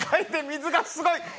水がすごい。